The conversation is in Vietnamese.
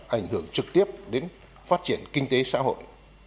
ảnh hưởng trực tiếp đến phát triển kinh tế xã hội